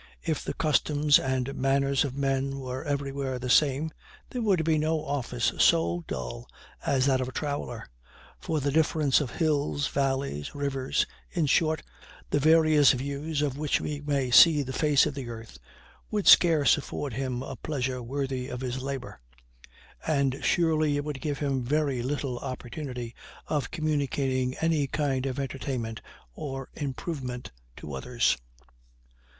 If the customs and manners of men were everywhere the same, there would be no office so dull as that of a traveler, for the difference of hills, valleys, rivers, in short, the various views of which we may see the face of the earth, would scarce afford him a pleasure worthy of his labor; and surely it would give him very little opportunity of communicating any kind of entertainment or improvement to others.